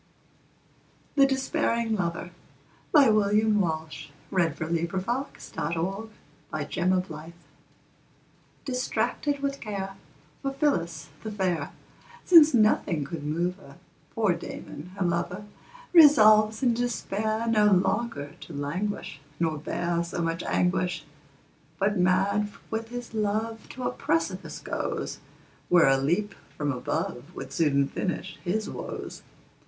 endure my own despair, But not another's hope. William Walsh The Despairing Lover DISTRACTED with care, For Phillis the fair, Since nothing could move her, Poor Damon, her lover, Resolves in despair No longer to languish, Nor bear so much anguish; But, mad with his love, To a precipice goes; Where a leap from above Would soon finish his woes.